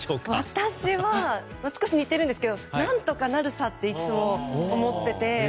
私は少し似てるんですけど何とかなるさといつも思ってて。